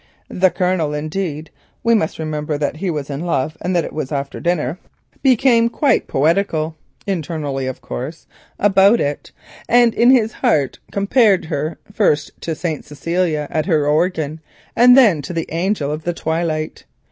The Colonel indeed (we must remember that he was in love and that it was after dinner) became quite poetical (internally of course) about it, and in his heart compared her first to St. Cecilia at her organ, and then to the Angel of the Twilight.